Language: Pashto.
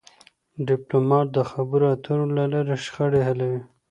ډيپلومات د خبرو اترو له لارې شخړې حلوي..